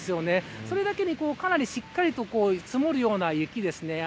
それだけに、かなりしっかりと積もるような雪ですね。